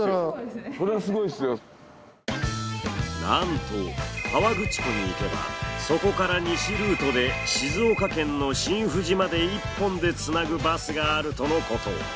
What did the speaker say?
なんと河口湖に行けばそこから西ルートで静岡県の新富士まで１本でつなぐバスがあるとのこと。